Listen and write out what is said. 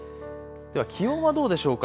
では気温はどうでしょうか。